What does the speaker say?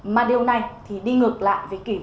mà điều này thì đi ngược lại với kỹ thuật